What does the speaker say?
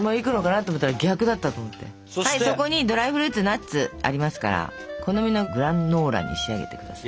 はいそこにドライフルーツナッツありますから好みのグラノーラに仕上げて下さい。